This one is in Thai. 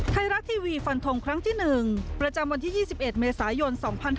ไทยรัฐทีวีฟันทงครั้งที่๑ประจำวันที่๒๑เมษายน๒๕๕๙